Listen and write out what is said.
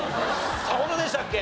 さほどでしたっけ？